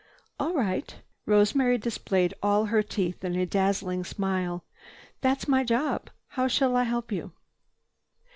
"All right." Rosemary displayed all her teeth in a dazzling smile. "That's my job. How shall I help you?"